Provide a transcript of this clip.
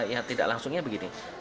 yang tidak langsungnya begini